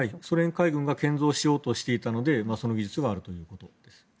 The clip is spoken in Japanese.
ソ連海軍が建造しようとしていたのでその技術があるということです。